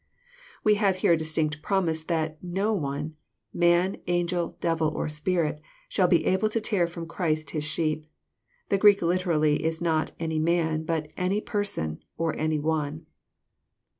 We have here a distinct promise, that " no one," man, angel, devil, or spirit, shall be able to tear Arom Christ His sheep. The Greek literally is not any man," but " any person, or any one."